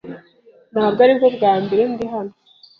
Ntabwo aribwo bwa mbere ndi hano.